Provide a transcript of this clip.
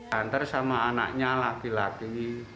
hantar sama anaknya laki laki